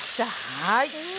はい。